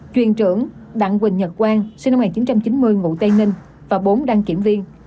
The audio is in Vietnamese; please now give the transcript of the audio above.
chuyên trưởng đặng quỳnh nhật quang sinh năm một nghìn chín trăm chín mươi ngụ tây ninh và bốn đăng kiểm viên